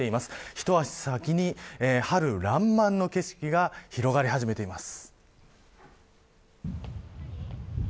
ひと足先に春らんまんの景色が広がり始めています。